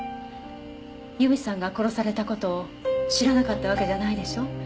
由美さんが殺された事を知らなかったわけじゃないでしょ？